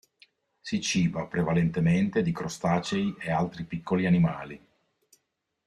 Si ciba prevalentemente di crostacei e altri piccoli animali.